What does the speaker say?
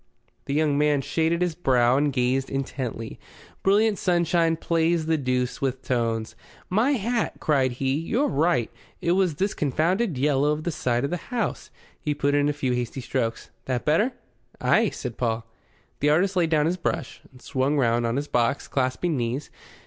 The young man shaded his brow and gazed intently. Brilliant sunshine plays the deuce with tones. "My hat!" cried he, "you're right. It was this confounded yellow of the side of the house." He put in a few hasty strokes. "That better?" "Ay," said Paul. The artist laid down his brush, and swung round on his box, clasping knees.